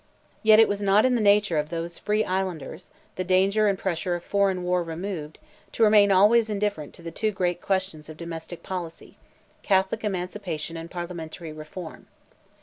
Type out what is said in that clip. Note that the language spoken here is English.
Yet it was not in the nature of those free Islanders, the danger and pressure of foreign war removed, to remain always indifferent to the two great questions of domestic policy—Catholic Emancipation and Parliamentary Reform.